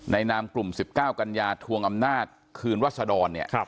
ในนามกลุ่มสิบเก้ากัญญาทวงอำนาจคืนวัสดรเนี่ยครับ